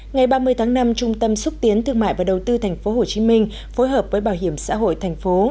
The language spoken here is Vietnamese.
ngày ba mươi tháng năm trung tâm xúc tiến thương mại và đầu tư tp hcm phối hợp với bảo hiểm xã hội thành phố